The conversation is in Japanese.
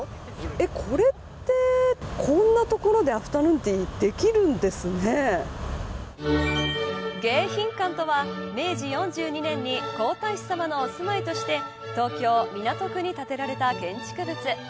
これって、こんなところでアフタヌーンティーが迎賓館とは明治４２年に皇太子さまのお住まいとして東京、港区に建てられた建築物。